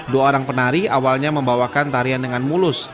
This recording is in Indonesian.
dua orang penari awalnya membawakan tarian dengan mulus